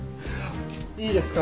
いいですか？